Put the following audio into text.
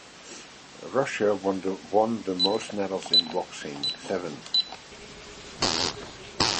Russia won the most medals in boxing, seven.